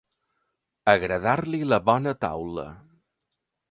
Agradar-li la bona taula.